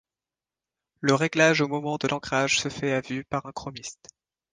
Le réglage au moment de l'encrage se fait à vue par un chromiste.